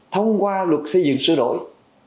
thông qua luật xây dựng sửa đổi